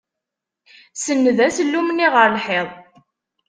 Senned asellum-nni ɣer lḥiḍ.